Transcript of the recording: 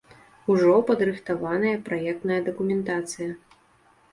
Ужо падрыхтаваная праектная дакументацыя.